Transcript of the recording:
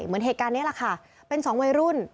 เหมือนเหตุการณ์นี้แหละค่ะเป็นสองวัยรุ่น